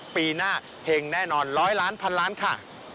ปีหน้าเฮงแน่นอน๑๐๐ล้านพันล้านค่ะ